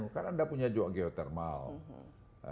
karena anda punya juga geotermal